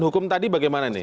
hukum tadi bagaimana nih